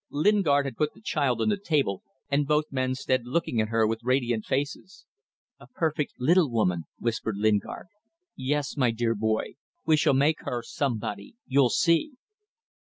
Lingard had put the child on the table, and both men stood looking at her with radiant faces. "A perfect little woman," whispered Lingard. "Yes, my dear boy, we shall make her somebody. You'll see!"